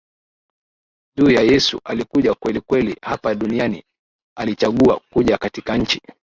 juu ya Yesu Alikuja kwelikweli hapa duniani Alichagua kuja katika nchi